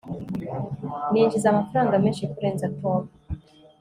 ninjiza amafaranga menshi kurenza tom